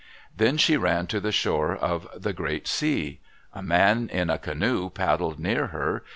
Then she ran to the shore of the great sea. A man in a canoe paddled near her.